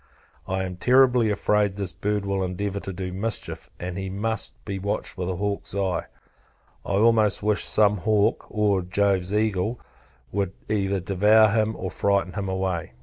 I am terribly afraid, this bird will endeavour to do mischief. He must be watched with a hawk's eye. I almost wish some hawk, or Jove's eagle, would either devour him or frighten him away.